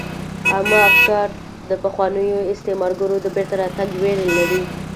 عامه افکار د پخوانیو استعمارګرو د بیرته راتګ ویره لري